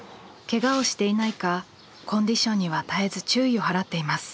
ケガをしていないかコンディションには絶えず注意を払っています。